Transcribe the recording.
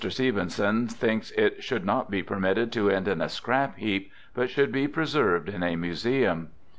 Stevenson thinks it should not be permitted to end on a scrap heap, but should be preserved in a museum.